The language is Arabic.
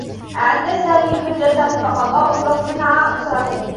أعدّ سامي حجّة فقضاء الوقت مع أسرته.